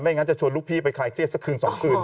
งั้นจะชวนลูกพี่ไปคลายเครียดสักคืน๒คืน